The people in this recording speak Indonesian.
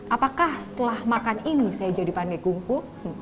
apakah setelah makan ini saya jadi pandai kumpul